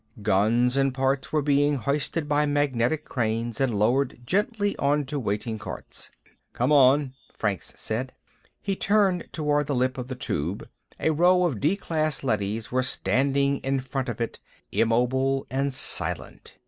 Guns and parts were being hoisted by magnetic cranes and lowered gently onto waiting carts. "Come on," Franks said. He turned toward the lip of the Tube. A row of D class leadys was standing in front of it, immobile and silent.